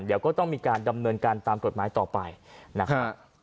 เดี๋ยวก็ต้องมีการดำเนินการตามกฎหมายต่อไปนะครับ